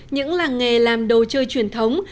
những làng nghề làm đồ chơi truyền thống